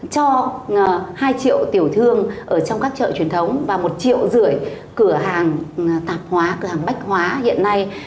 cho hai triệu tiểu thương ở trong các chợ truyền thống và một triệu rưỡi cửa hàng tạp hóa cửa hàng bách hóa hiện nay